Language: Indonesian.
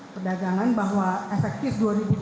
perdagangan bahwa efektif